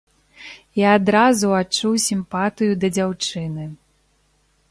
І адразу адчуў сімпатыю да дзяўчыны.